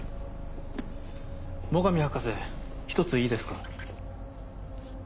最上博士一ついいですか？